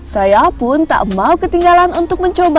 saya pun tak mau ketinggalan untuk mencoba